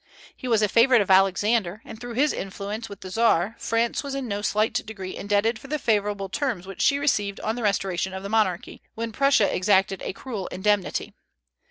He was a favorite of Alexander, and through his influence with the Czar France was in no slight degree indebted for the favorable terms which she received on the restoration of the monarchy, when Prussia exacted a cruel indemnity.